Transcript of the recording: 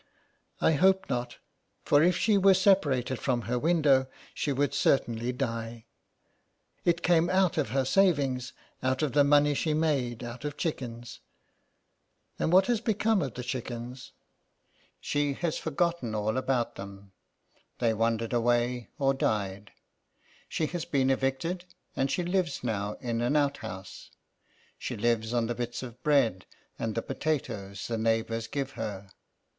*' I hope not, for if she were separated from her window she would certainly die. It came out of her savings, out of the money she made out of chickens." '^ And what has become of the chickens ?"'' She has forgotten all about them ; they wandered away or died. She has been evicted, and she lives now in an out house. She lives on the bits of bread and the potatoes the neighbours give her.